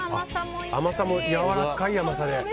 甘さも、やわらかい甘さで。